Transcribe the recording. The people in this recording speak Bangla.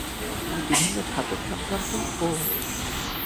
তিনি বিভিন্ন ধাতব সংক্রান্ত ও